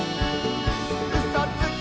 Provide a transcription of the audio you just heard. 「うそつき！」